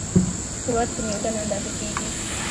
قوت په نیوټن اندازه کېږي.